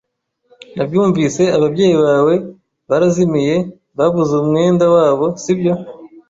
Nabyumvise. Ababyeyi bawe barazimiye, babuze umwenda wabo sibyo?